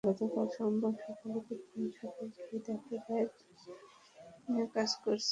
গতকাল সোমবার সকালে পরিবহন শাখায় গিয়ে দেখা যায়, দুলাল মিয়া কাজ করছেন।